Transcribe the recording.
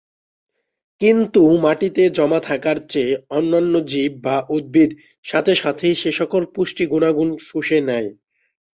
কিন্তু মাটিতে জমা থাকার চেয়ে অন্যান্য জীব বা উদ্ভিদ সাথে সাথেই সেসকল পুষ্টি গুণাগুণ শুষে নেয়।